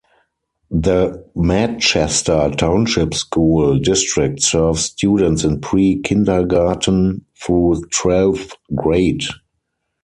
The Manchester Township School District serves students in pre-kindergarten through twelfth grade.